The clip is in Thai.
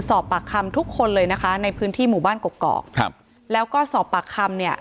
สอบปากคำทุกคนเลยนะคะในพื้นที่หมู่บ้านกกอกครับแล้วก็สอบปากคำเนี่ย